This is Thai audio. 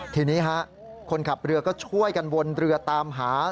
ทีนี้คนขับเรือก็ช่วยกันวนเรือตามหา